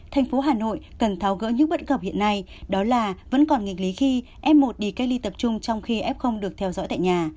thành phố hà nội cần tháo gỡ những bất cập hiện nay đó là vẫn còn nghịch lý khi f một đi cách ly tập trung trong khi f được theo dõi tại nhà